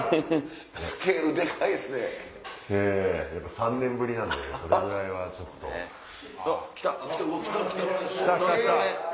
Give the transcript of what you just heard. ３年ぶりなんでそれぐらいはちょっと。来た！来た来た。